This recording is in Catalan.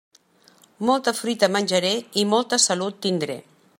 Molta fruita menjaré i molta salut tindré.